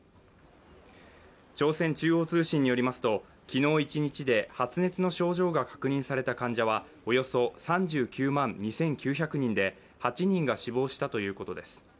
朝鮮中央通信によりますと、昨日一日で発熱の症状が確認された患者はおよそ３９万２９００人で８人が死亡したということです。